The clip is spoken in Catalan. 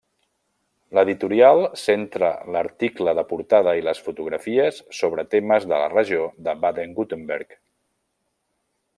L'editorial centra l'article de portada i les fotografies sobre temes de la regió de Baden-Württemberg.